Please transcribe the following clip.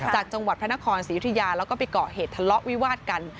จากจังหวัดพระนครศรียุธยาแล้วก็ไปเกาะเหตุทะเลาะวิวาดกัน